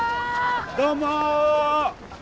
どうも。